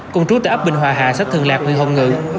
cùng trú tại ấp bình hòa hà sách thường lạc huyện hồng ngự